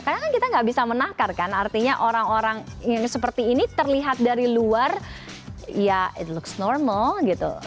karena kita nggak bisa menakarkan artinya orang orang yang seperti ini terlihat dari luar ya it looks normal gitu